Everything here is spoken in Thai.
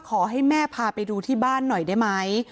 ขอให้แม่พาไปดูที่บ้านหน่อยได้ไหม